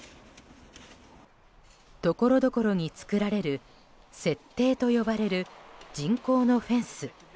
とこどころに作られる雪堤と呼ばれる人工のフェンス。